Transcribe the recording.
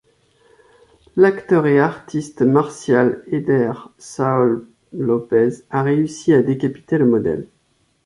L'acteur et artiste martial Éder Saúl López a réussi à décapiter le modèle.